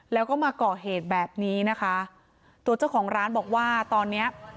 แล้วก็มาก่อเหตุแบบนี้นะคะตัวเจ้าของร้านบอกว่าตอนเนี้ย